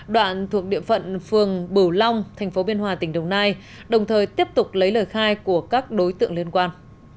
đoạn thuộc địa phận phường bửu long thành phố biên hòa tỉnh đồng nai đồng thời tiếp tục lấy lời khai của các đối tượng liên quan